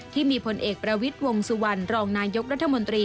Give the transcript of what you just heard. ที่มีผลเอกประวิทย์วงสุวรรณรองนายกรัฐมนตรี